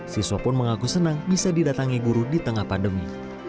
siswa pun mengaku senang bisa didatangi guru di tengah pandemi